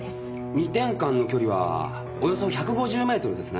２点間の距離はおよそ１５０メートルですね。